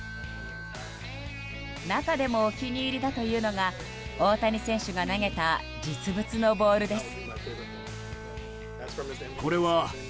中でもお気に入りだというのが大谷選手が投げた実物のボールです。